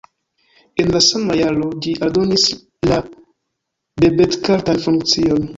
En la sama jaro ĝi aldonis la debetkartan funkcion.